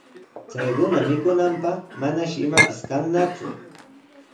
Chay runa mikunanpaq manashi imapis kannaku.